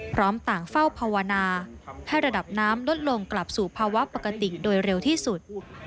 พร้อมต่างเฝ้าภาวนาให้ระดับน้ำลดลงกลับสู่ภาวะปกติโดยเร็วที่สุด